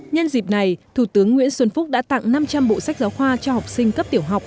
nhân dịp này thủ tướng nguyễn xuân phúc đã tặng năm trăm linh bộ sách giáo khoa cho học sinh cấp tiểu học